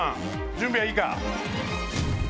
準備はいいか？